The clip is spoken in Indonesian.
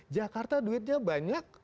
jakarta duitnya banyak